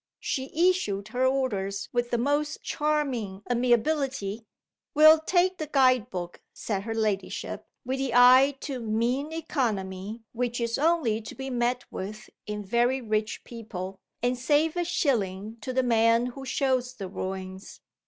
She issued her orders with the most charming amiability. "We'll take the guidebook," said her ladyship, with the eye to mean economy, which is only to be met with in very rich people, "and save a shilling to the man who shows the ruins."